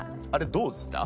「どうですた？」